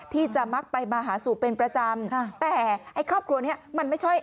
ที่จะมักไปมาหาสูบเป็นประจำแต่ไอ้ครอบครัวเนี่ย